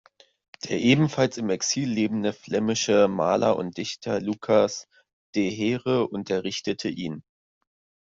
Der ebenfalls im Exil lebende flämische Maler und Dichter Lucas de Heere unterrichtete ihn.